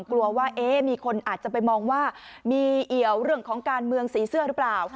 กลัวว่ามีคนอาจจะไปมองว่ามีเอี่ยวเรื่องของการเมืองสีเสื้อหรือเปล่า